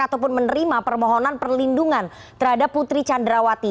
ataupun menerima permohonan perlindungan terhadap putri candrawati